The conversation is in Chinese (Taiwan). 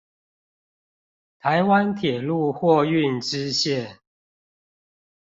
臺灣鐵路貨運支線